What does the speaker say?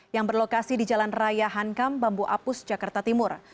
yang berlokasi di jalan raya hankam bambu apus jakarta timur